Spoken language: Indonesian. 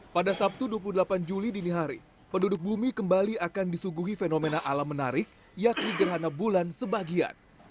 pada sabtu dua puluh delapan juli dini hari penduduk bumi kembali akan disuguhi fenomena alam menarik yakni gerhana bulan sebagian